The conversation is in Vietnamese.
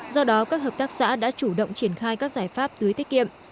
do đó các hợp tác xã đã chủ động triển khai các giải pháp tưới tiết kiệm